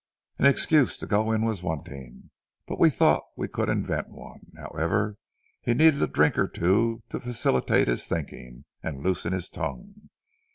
"An excuse to go in was wanting, but we thought we could invent one; however, he needed a drink or two to facilitate his thinking and loosen his tongue.